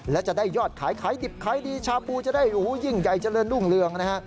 และจะได้ยอดขายขายดิบขายดีชาบูจะได้ยิ่งใหญ่เจริญรุ่งเรืองนะฮะ